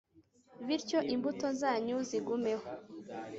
Bityo imbuto zanyu zigumeho